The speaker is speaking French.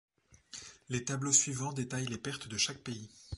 Les tableaux suivants détaillent les pertes de chaque pays.